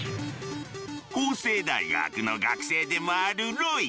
法政大学の学生でもあるロイ。